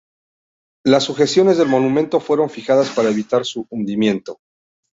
Las sujeciones del monumento fueron fijadas para evitar su hundimiento.